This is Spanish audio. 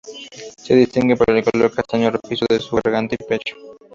Se distingue por el color castaño rojizo de su garganta y pecho.